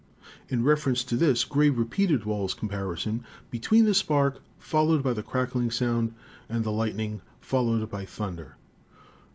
In reference to this Gray repeated Wall's comparison between the spark fol lowed by the crackling sound and the lightning followed by thunder."